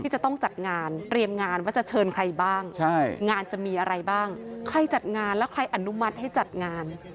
จะต้องจัดงานเตรียมงานว่าจะเชิญใครบ้างงานจะมีอะไรบ้างใครจัดงานแล้วใครอนุมัติให้จัดงาน